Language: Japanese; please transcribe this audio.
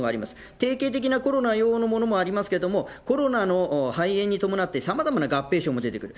定型的なコロナ用のものもありますけれども、コロナの肺炎に伴って、さまざまな合併症も出てくる。